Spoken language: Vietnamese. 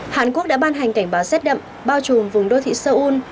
hàn quốc đã ban hành cảnh báo rét đậm bao trùm vùng đô thị seoul